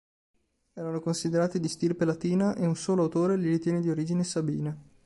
Erano considerati di stirpe latina e un solo autore li ritiene di origine sabina.